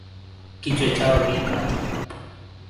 Kichwa chao ni bapa.